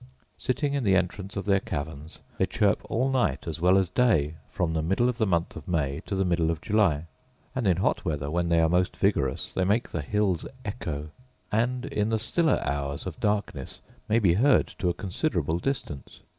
Sitting in the entrance of their caverns they chirp all night as well as day from the middle of the month of May to the middle of July; and in hot weather, when they are most vigorous, they make the hills echo; and, in the stiller hours of darkness, may be heard to a considerable distance.